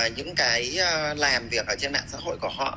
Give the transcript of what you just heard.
những cái làm việc ở trên mạng xã hội của họ